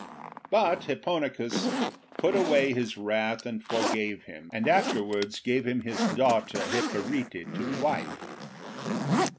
But Hipponicus put away his wrath and forgave him, and afterwards gave him his daughter Hipparete to wife.